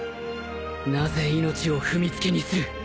なぜ命を踏みつけにする？